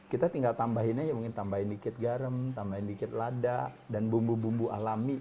kita tinggal tambahin aja mungkin tambahin dikit garam tambahin dikit lada dan bumbu bumbu alami